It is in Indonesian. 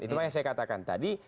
itulah yang saya katakan tadi